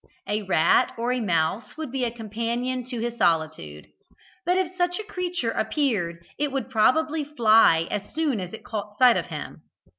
A rat or a mouse would be a companion to his solitude, but if such a creature appeared it would probably fly as soon as it caught sight of him.